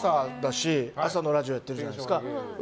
朝のラジオやってるじゃないですか。